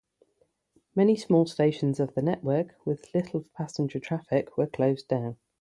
Many small stations of the network with little passenger traffic were closed down.